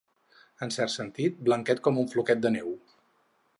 En un cert sentit, blanquet com en Floquet de Neu.